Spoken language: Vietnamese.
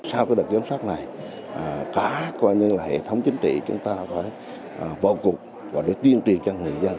sau cái đợt kiểm soát này cả hệ thống chính trị chúng ta phải vào cục và để tuyên truyền cho người dân